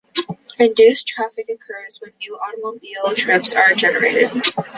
Induced traffic occurs when new automobile trips are generated.